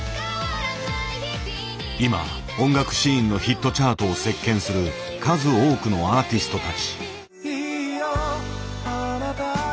今音楽シーンのヒットチャートを席巻する数多くのアーティストたち。